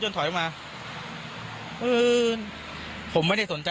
เห็นมันอุ๋มเด็กมันไว้ที่นู่นอ่ะ